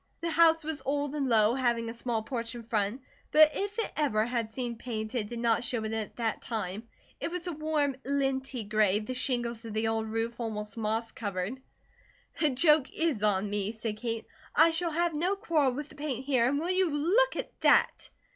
The house was old and low, having a small porch in front, but if it ever had seen paint, it did not show it at that time. It was a warm linty gray, the shingles of the old roof almost moss covered. "The joke IS on me," said Kate. "I shall have no quarrel with the paint here, and will you look at that?"